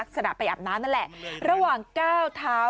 ขณะไปอาบน้ำนั่นแหละระหว่างก้าวเท้า